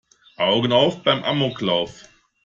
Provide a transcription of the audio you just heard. Augen auf beim Amoklauf!